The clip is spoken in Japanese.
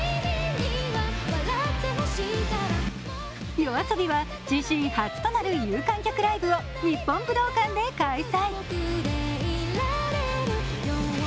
ＹＯＡＳＯＢＩは自身初となる有観客ライブを日本武道館で開催。